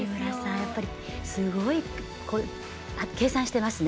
やっぱりすごい計算してますね。